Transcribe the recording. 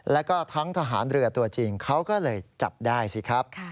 แล้วก็ทั้งทหารเรือตัวจริงเขาก็เลยจับได้สิครับ